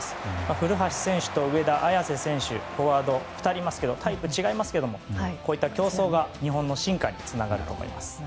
古橋選手と上田綺世選手フォワード２人いますけどタイプは違いますがこういった競争が日本の進化につながると思います。